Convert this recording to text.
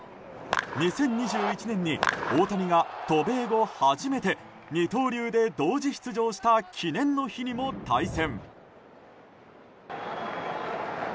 ２０２１年に大谷が渡米後初めて二刀流で同時出場した記念の日にも対戦。